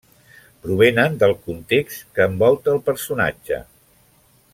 Provenen del context que envolta el personatge.